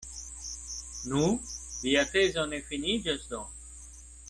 Nu, via tezo ne finiĝas do?